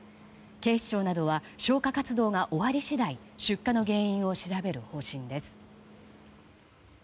警視庁などは消火活動が終わり次第出火の原因を調べる方針です。